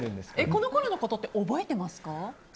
このころのことって覚えてますか？